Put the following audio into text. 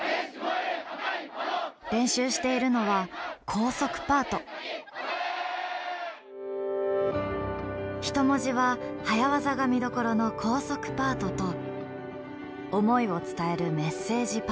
練習しているのは人文字は早技が見どころの高速パートと思いを伝えるメッセージパート。